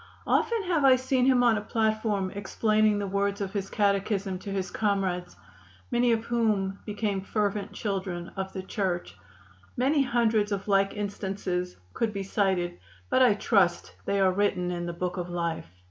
"Often have I seen him on a platform explaining the words of his catechism to his comrades, many of whom became fervent children of the Church. Many hundreds of like instances could be cited, but I trust they are written in the Book of Life."